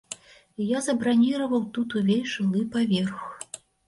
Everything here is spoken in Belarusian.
Я забраніраваў тут ўвесь жылы паверх.